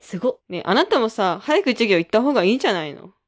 ねえあなたもさ早く授業行ったほうがいいんじゃないの。